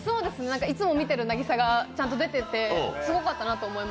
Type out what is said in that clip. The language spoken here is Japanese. いつも見てるなぎさがちゃんと出てて面白かったです。